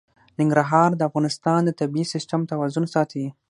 ننګرهار د افغانستان د طبعي سیسټم توازن ساتي.